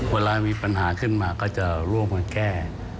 เวลามีปัญหาขึ้นมาก็จะร่วมกันแก้